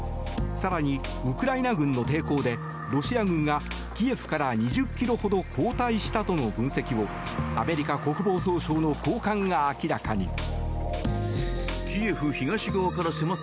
更に、ウクライナ軍の抵抗でロシア軍がキエフから２０ｋｍほど後退したとの分析をアメリカ国防総省の高官が明らかに。